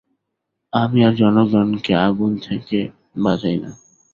আমি আর জনগণকে আগুন থেকে বাঁচাই না।